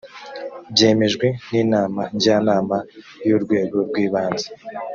byemejwe n inama njyanama y urwego rw ibanze